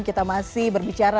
kita masih berbicara